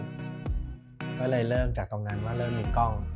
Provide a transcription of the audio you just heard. ก็เลยเริ่มจากตรงนั้นว่าเริ่มมีกล้อง